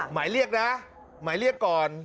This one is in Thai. หมายเรียกนะหมายเรียกก่อน